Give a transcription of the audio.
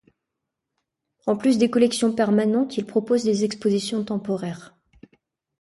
En plus des collections permanentes, il propose des expositions temporaires.